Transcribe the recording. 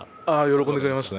喜んでくれました。